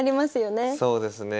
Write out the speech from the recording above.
そうですね。